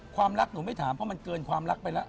ความรักหนูไม่ถามเพราะมันเกินความรักไปแล้ว